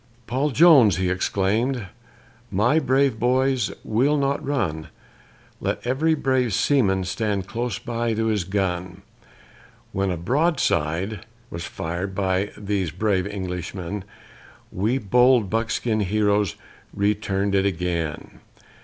Paul Jones he exclaimed, "My brave boys, we'll not run: Let every brave seaman stand close to his gun;" When a broadside was fired by these brave Englishmen, We bold buckskin heroes return'd it again.